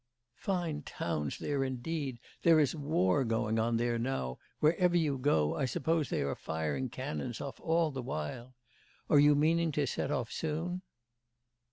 'Fine towns there, indeed! There is war going on there now; wherever you go, I suppose they are firing cannons off all the while... Are you meaning to set off soon?